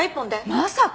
まさか！